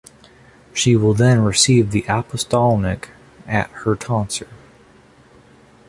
She will then receive the apostolnik at her tonsure.